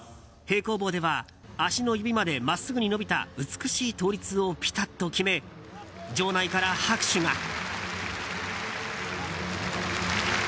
平行棒では足の指まで真っすぐに伸びた美しい倒立をピタッと決め場内から拍手が。